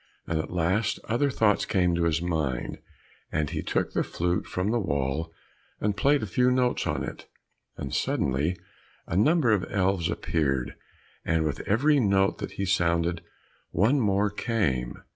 But at last other thoughts came to his mind, and he took the flute from the wall, and played a few notes on it, and suddenly a number of elves appeared, and with every note that he sounded one more came.